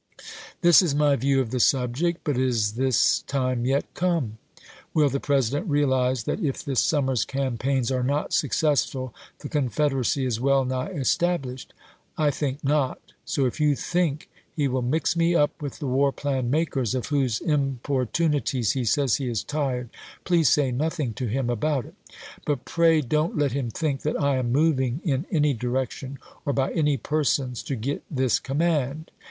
This is my view of the subject, but is this time yet come? Will the President realize that if this summer's campaigns are not successful the Confederacy is well nigh estab lished ? I think not. So if you think he will mix me up with the war plan makers of whose importunities he says he is tired, please say nothing to him about it. But pray don't let him think that I am moving in any direction, or by any persons, to get this command.